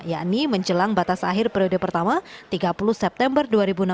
yakni menjelang batas akhir periode pertama tiga puluh september dua ribu enam belas